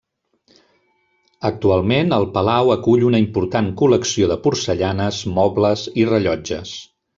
Actualment, el palau acull una important col·lecció de porcellanes, mobles i rellotges.